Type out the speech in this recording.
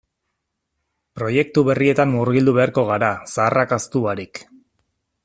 Proiektu berrietan murgildu beharko gara zaharrak ahaztu barik.